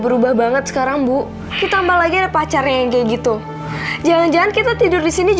berubah banget sekarang bu kita malah pakarnya yang kayak gitu jangan jangan kita tidur di sini